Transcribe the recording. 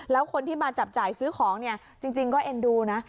แล้วคนที่มาจับจ่ายซื้อของเนี่ยจริงก็เอ็นดูนะ